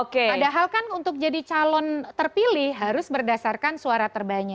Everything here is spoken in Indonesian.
padahal kan untuk jadi calon terpilih harus berdasarkan suara terbanyak